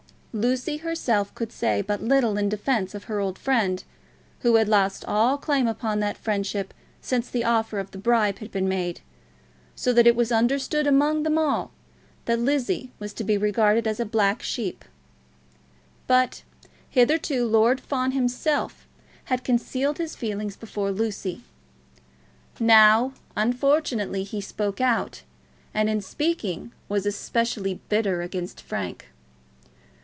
Lucy herself could say but little in defence of her old friend, who had lost all claim upon that friendship since the offer of the bribe had been made, so that it was understood among them all that Lizzie was to be regarded as a black sheep; but hitherto Lord Fawn himself had concealed his feelings before Lucy. Now unfortunately he spoke out, and in speaking was especially bitter against Frank.